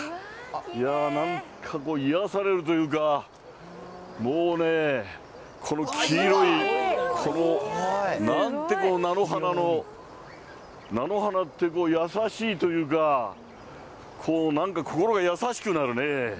なんかこう癒やされるというか、もうね、この黄色い、なんて菜の花の、菜の花って優しいというか、なんか、心が優しくなるね。